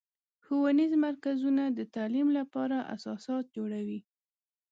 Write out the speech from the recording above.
ښوونیز مرکزونه د تعلیم لپاره اساسات جوړوي.